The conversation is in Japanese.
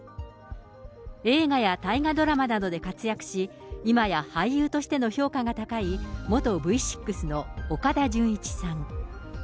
映画や大河ドラマなどで活躍し、今や俳優としての評価が高い元Ｖ６の岡田准一さん。